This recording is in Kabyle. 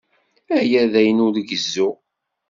Aya d ayen ur gezzuɣ.